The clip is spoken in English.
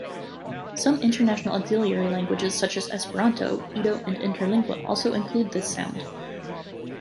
Some international auxiliary languages, such as Esperanto, Ido and Interlingua also include this sound.